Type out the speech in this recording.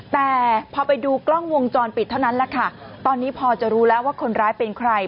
แต่พอไปดูกล้องวงจรปิดเท่านั้นแหละค่ะตอนนี้พอจะรู้แล้วว่าคนร้ายเป็นใคร